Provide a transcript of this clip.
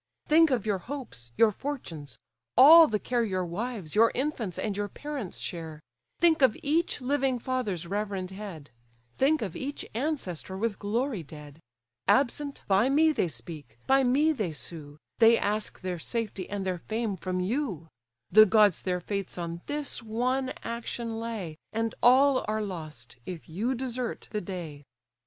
Think of your hopes, your fortunes; all the care Your wives, your infants, and your parents share: Think of each living father's reverend head; Think of each ancestor with glory dead; Absent, by me they speak, by me they sue, They ask their safety, and their fame, from you: The gods their fates on this one action lay, And all are lost, if you desert the day."